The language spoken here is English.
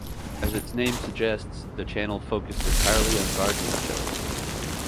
As its name suggests, the channel focused entirely on gardening shows.